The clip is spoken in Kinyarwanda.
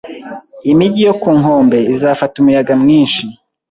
Imijyi yo ku nkombe izafata umuyaga mwinshi.